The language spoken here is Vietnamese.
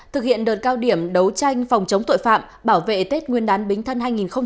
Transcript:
thực hiện đợt cao điểm đấu tranh phòng chống tội phạm bảo vệ tết nguyên đán bính thân hai nghìn hai mươi bốn